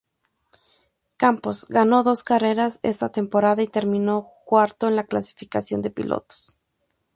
Campos ganó dos carreras esta temporada y terminó cuarto en la clasificación de pilotos.